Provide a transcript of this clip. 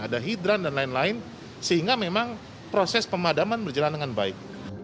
ada hidran dan lain lain sehingga memang proses pemadaman berjalan dengan baik